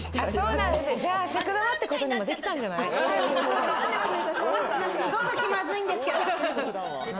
じゃあ尺玉ってことにもできたんじゃないですか？